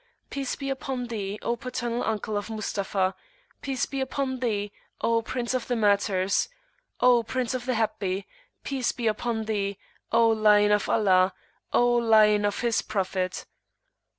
Peace be upon Thee, O Paternal Uncle of Mustafa! Peace be upon Thee, O Prince of the Martyrs! O Prince of the Happy! Peace be upon Thee, O Lion of Allah! O Lion of His Prophet!"